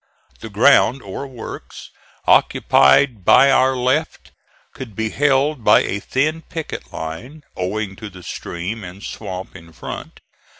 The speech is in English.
The ground, or works, occupied by our left could be held by a thin picket line, owing to the stream and swamp in front.